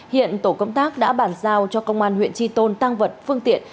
hiện tổ công tác đã bản giao cho công an huyện tri tôn tăng vật phương tiện